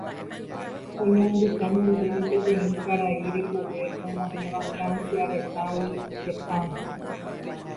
Oñanduka ñandéve peteĩ karai rekove og̃uahẽva Francia retãgui hetãme